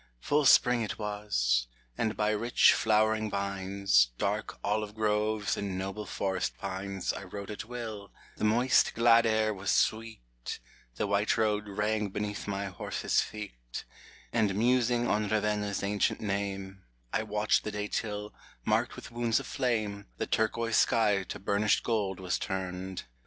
Full Spring it was — and by rich flowering vines, Dark olive groves and noble forest pines, I rode at will ; the moist glad air was sweet, The white road rang beneath my horse's feet, And musing on Ravenna's ancient name, I watched the day till, marked with wounds of flame, The turquoise sky to burnished gold was turned.